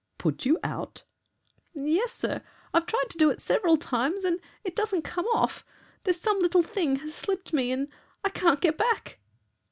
"'Put you out?' "'Yes, sir. I've tried to do it several times, and it doesn't come off. There's some little thing has slipped me, and I can't get back.'